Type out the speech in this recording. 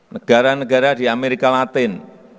negara negara di amerika latin